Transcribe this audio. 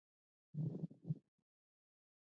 د ځیګر د پاکوالي لپاره د زرشک اوبه وڅښئ